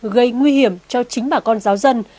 gây nguy hiểm cho chính bà con giáo dân